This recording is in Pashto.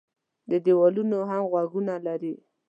دېوالونو هم غوږونه لري.